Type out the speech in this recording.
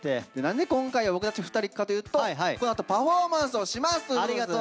何で今回は僕たち２人かというとこのあとパフォーマンスをしますということです。